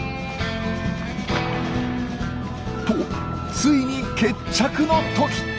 ついに決着の時。